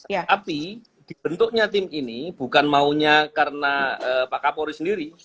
tapi dibentuknya tim ini bukan maunya karena pak kapolri sendiri